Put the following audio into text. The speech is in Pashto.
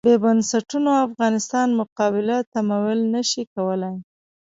بې بنسټونو افغانستان مقابله تمویل نه شي کولای.